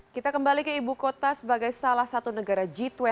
kita kembali ke ibu kota sebagai salah satu negara g dua puluh